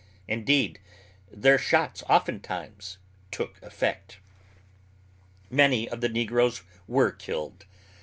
Indeed their shots oftentimes took effect. Many of the negroes were killed.